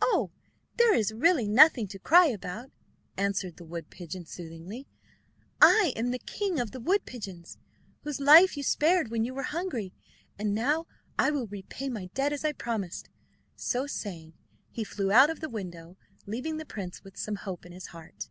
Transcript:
"Oh, there is really nothing to cry about," answered the wood pigeon soothingly. "I am the king of the wood pigeons, whose life you spared when you were hungry. And now I will repay my debt, as I promised." So saying he flew out of the window, leaving the prince with some hope in his heart.